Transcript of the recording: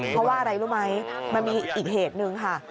เพราะว่าอะไรรู้ไหมมันมีอีกเหตุหนึ่งค่ะ